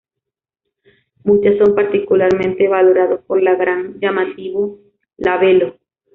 Muchas son particularmente valorados por la gran llamativo labelo.